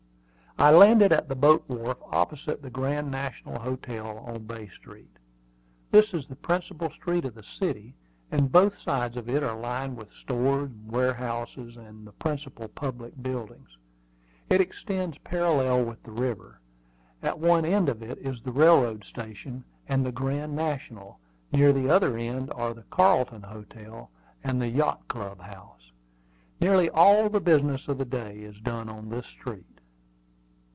I landed at the boat wharf opposite the Grand National Hotel, on Bay Street. This is the principal street of the city, and both sides of it are lined with stores, warehouses, and the principal public buildings. It extends parallel with the river. At one end of it is the railroad station and the Grand National; near the other end are the Carlton Hotel and the Yacht Club house. Nearly all the business of the city is done on this street.